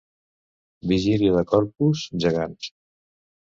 Vigília de Corpus, gegants.